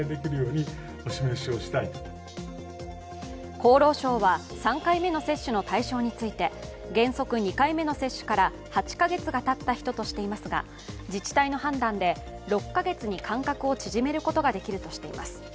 厚労省は３回目の接種の対象について原則２回目の接種から８カ月がたった人としていますが自治体の判断で、６カ月に間隔を縮めることができるとしています。